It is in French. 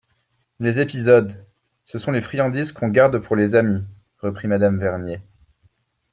Les épisodes ! ce sont les friandises qu'on garde pour les amis, reprit madame Vernier.